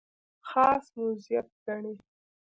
خاص مزیت ګڼي.